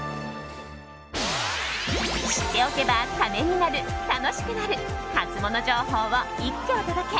知っておけばためになる、楽しくなるハツモノ情報を一挙お届け。